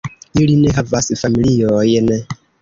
Ili ne havas familiojn.